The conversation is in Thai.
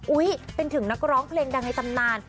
เป็นถึงนักร้องเพลงดังในตำนาน